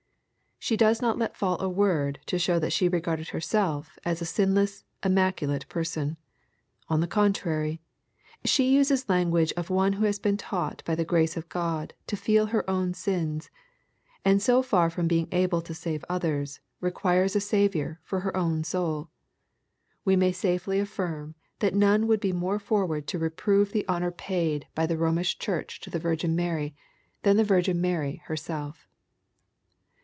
'' She does not let fall a word to show that she regarded herself as a sinless, " immaculate" person. On the contrary, she uses the language of one who has been taught by the grace of God to feel her own sins, and so far from being able to save others, requires a Saviour for her own soul. We may safely affirm that none would be more forward to reprove the honor paid 86 EXPOSITOBT THOUQHTS. by tLe Bomisb Church to the Virgin Mary, than the Virgin Mary herself.